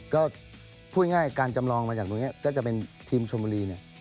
ก็พูดง่ายการจำลองมาจากตรงนี้ก็จะเป็นทีมชมบุรีเนี่ย